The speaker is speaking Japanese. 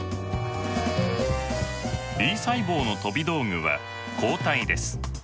Ｂ細胞の飛び道具は「抗体」です。